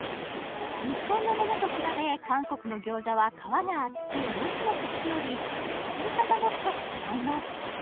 日本のものと比べ韓国の餃子は皮が厚くモチモチしており包み方も少し違います